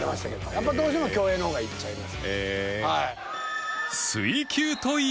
やっぱ当時の競泳の方がいっちゃいます。